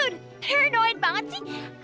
gak ada yang ngerawain banget sih